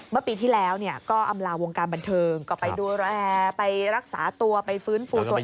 เมื่อปีที่แล้วก็อำลาวงการบันเทิงก็ไปดูแลไปรักษาตัวไปฟื้นฟูตัวเอง